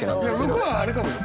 向こうはあれかもよ！